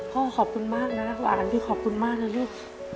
พ่อขอบคุณมากนะรักหวานพี่ขอบคุณมากเลย